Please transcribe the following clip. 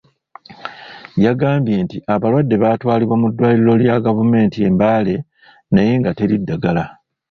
Yagambye nti abalwadde baatwalibwa mu ddwaliro lya gavumenti e Mbale naye nga teri ddagala.